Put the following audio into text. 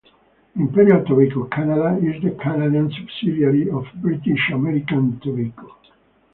Imperial Tobacco Canada is the Canadian subsidiary of British American Tobacco.